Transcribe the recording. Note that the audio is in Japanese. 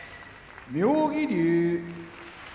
妙義龍